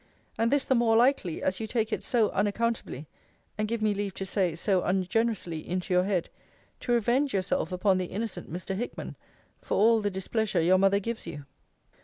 And this the more likely, as you take it so unaccountably (and, give me leave to say, so ungenerously) into your head, to revenge yourself upon the innocent Mr. Hickman, for all the displeasure your mother gives you.